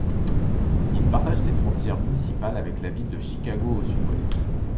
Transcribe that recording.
Il partage ses frontières municipales avec la ville de Chicago au sud-ouest.